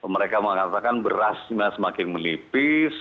mereka mengatakan berasnya semakin menipis